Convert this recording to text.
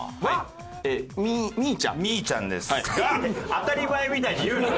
当たり前みたいに言うな！